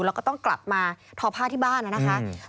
แล้วก็ต้องกลับมาทอผ้าที่บ้านนะคะ